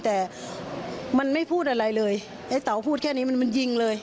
แต่มันไม่พูดอะไรเลยไอ้เต๋าพูดแค่นี้มันมันยิงเลย